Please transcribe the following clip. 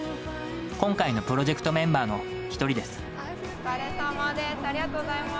今回のプロジェクトメンバーの一お疲れさまです。